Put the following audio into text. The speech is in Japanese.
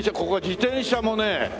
ここは自転車もね